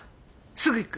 すぐ行く。